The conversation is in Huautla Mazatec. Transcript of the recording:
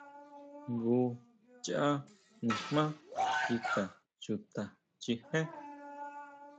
Jngu cháʼ nijmá kika chuta chijé.